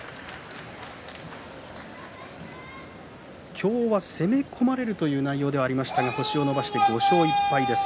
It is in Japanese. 今日は攻め込まれるという内容ではありましたが星を伸ばして５勝１敗です。